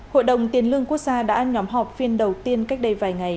hội đồng tiền lương quốc gia đã nhóm họp phiên đầu tiên cách đây vài ngày